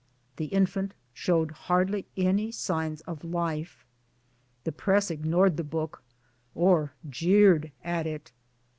The infant showed hardly any signs of life. The Press ignored the book or jeered at it.